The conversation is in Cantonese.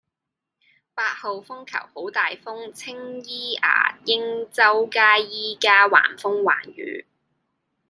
八號風球好大風，青衣牙鷹洲街依家橫風橫雨